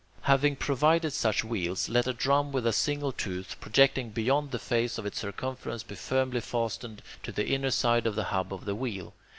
Having provided such wheels, let a drum with a single tooth projecting beyond the face of its circumference be firmly fastened to the inner side of the hub of the wheel.